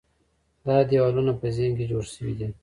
دا دیوالونه په ذهن کې جوړ شوي دي.